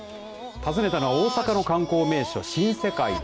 訪ねたのは大阪の観光名所、新世界。